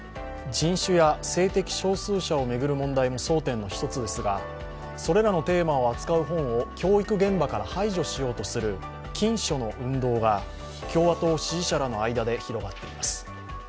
人種や性的少数者を巡る問題も争点の一つですがそれらのテーマを扱う本を教育現場から排除しようとする禁書の運動が共和党支持者らの間で広がっています。